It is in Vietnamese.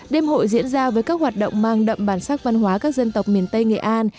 đêm hội diễn ra với các hoạt động mang đậm bản sắc văn hóa các dân tộc miền tây nghệ an